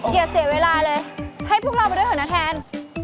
อย่าเสียเวลาเลยให้พวกเราไปด้วยเหรอนะแทน